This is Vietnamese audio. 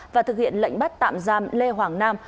và thực hiện lệnh bắt tạm giam lê hoàng nam